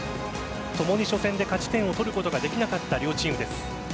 共に初戦で勝ち点を取ることができなかった両チームです。